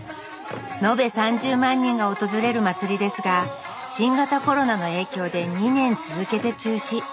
延べ３０万人が訪れる祭りですが新型コロナの影響で２年続けて中止。